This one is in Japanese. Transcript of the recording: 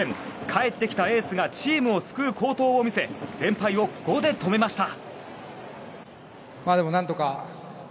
帰ってきたエースがチームを救う好投を見せ連敗を５で止めました。